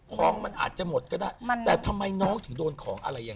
ของมันอาจจะหมดก็ได้แต่ทำไมน้องถึงโดนของอะไรอย่าง